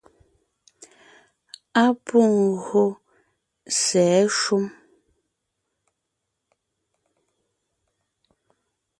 Á pû gÿô sɛ̌ shúm.